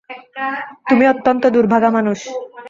তুমি অত্যন্ত দুর্ভাগা মানুষ।